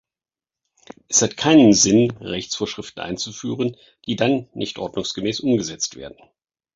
Es hat keinen Sinn, Rechtsvorschriften einzuführen, die dann nicht ordnungsgemäß umgesetzt werden.